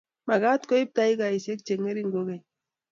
magaat koib takikaishek chengering kogeny